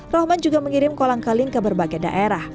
rohman juga mengirim kolang kaling ke berbagai daerah